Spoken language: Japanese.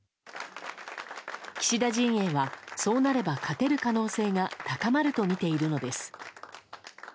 岸田陣営はそうなれば勝てる可能性が高まるとみているのです。